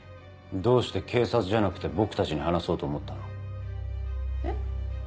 どうして警察じゃなくて僕たちに話そうと思ったの？え？